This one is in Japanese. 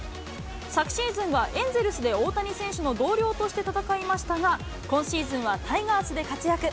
昨シーズンはエンゼルスで大谷選手の同僚として戦いましたが、今シーズンはタイガースで活躍。